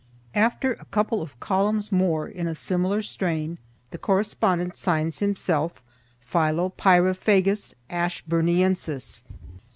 After a couple of columns more in a similar strain, the correspondent signs himself Philopyraphagus Ashburniensis.